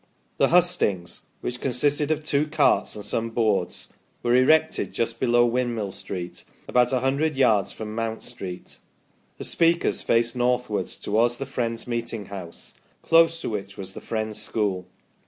The hustings, which consisted of two carts and some boards, were erected just below Windmill Street, about 100 yards from Mount Street. The speakers faced northwards, towards the Friends' meeting house, close to which was the Friends' school.